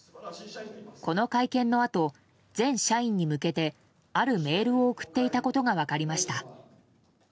この会見のあと、全社員に向けてあるメールを送っていたことが分かりました。